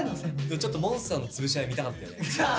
ちょっと「モンスター」の潰し合い見たかったよね。